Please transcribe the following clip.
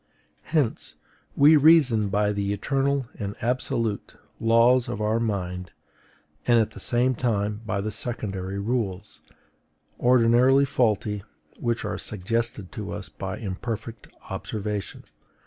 Hence we reason by the ETERNAL and ABSOLUTE laws of our mind, and at the same time by the secondary rules, ordinarily faulty, which are suggested to us by imperfect observation.